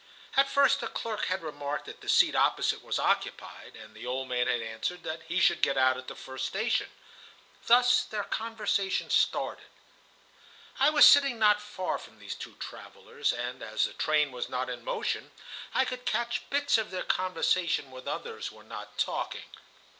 At first the clerk had remarked that the seat opposite was occupied, and the old man had answered that he should get out at the first station. Thus their conversation started. I was sitting not far from these two travellers, and, as the train was not in motion, I could catch bits of their conversation when others were not talking.